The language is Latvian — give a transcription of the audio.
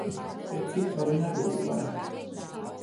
Tie cipari nerullē.